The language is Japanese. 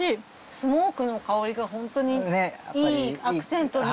スモークの香りがホントにいいアクセントに。